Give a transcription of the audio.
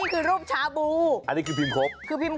คุณจะเจออะไร